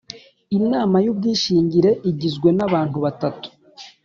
Inama y ubwishingire igizwe n abantu batatu